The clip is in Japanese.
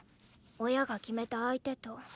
親が決めた相手と。